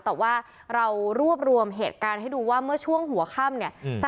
แต่ว่าเรารวบรวมเหตุการณ์ให้ดูว่าเมื่อช่วงหัวค่ำเนี่ย